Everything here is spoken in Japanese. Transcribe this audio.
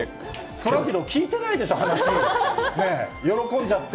そらジロー、聞いてないでし喜んじゃって。